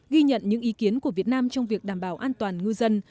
ghi nhận những ý kiến của việt nam trong việc đảm bảo an toàn ngư dân